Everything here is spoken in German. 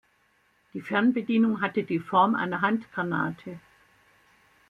Die Fernbedienung hatte die Form einer Handgranate.